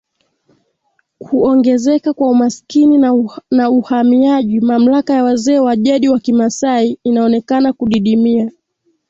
kuongezeka kwa umaskini na uhamiaji mamlaka ya wazee wa jadi wa Kimasai inaonekana kudidimia